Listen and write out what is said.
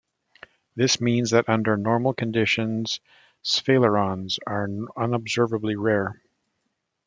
This means that under normal conditions sphalerons are unobservably rare.